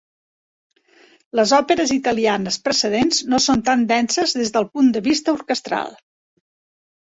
Les òperes italianes precedents no són tan denses des del punt de vista orquestral.